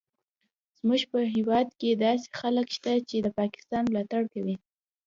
زموږ په هیواد کې داسې خلک شته چې د پاکستان ملاتړ کوي